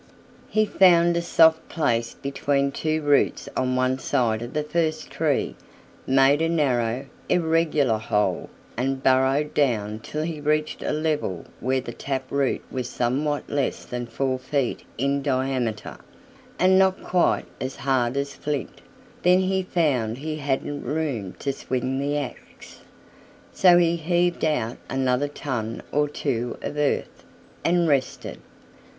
He found a soft place between two roots on one side of the first tree, made a narrow, irregular hole, and burrowed down till he reached a level where the tap root was somewhat less than four feet in diameter, and not quite as hard as flint: then he found that he hadn't room to swing the axe, so he heaved out another ton or two of earth and rested.